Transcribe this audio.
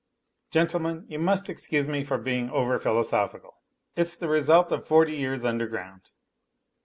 Gentlemen, you must excuse me for being over philosophical ; il's tlae result of forty years underground